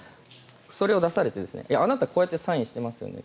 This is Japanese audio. それを出されてあなた、こうやってサインしてますよね